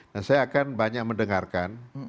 dan saya akan banyak mendengarkan